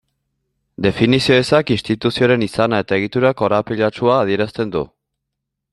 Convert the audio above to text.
Definizio ezak instituzioaren izana eta egitura korapilatsua adierazten du.